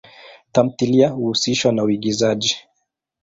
Tamthilia huhusishwa na uigizaji.